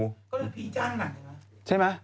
ก็เลยผีจ้างหนังใช่ไหม